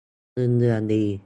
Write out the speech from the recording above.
เงินเดือนดี